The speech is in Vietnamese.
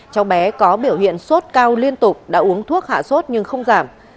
cháu bé có biểu hiện sốt cao liên tục đã uống thuốc hạ sốt nhưng không giảm